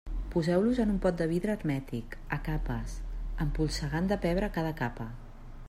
Poseu-los en un pot de vidre hermètic, a capes, empolsegant de pebre cada capa.